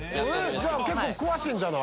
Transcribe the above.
じゃあ結構詳しいんじゃない？